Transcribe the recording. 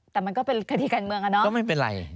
แต่มันก็เป็นคดีการเมืองอะเนาะก็ไม่เป็นไร